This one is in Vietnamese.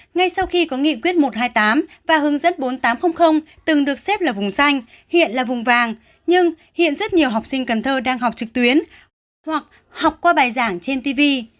ngay sau khi có nghị quyết một trăm hai mươi tám và hướng dẫn bốn nghìn tám trăm linh từng được xếp là vùng xanh hiện là vùng vàng nhưng hiện rất nhiều học sinh cần thơ đang học trực tuyến hoặc học qua bài giảng trên tv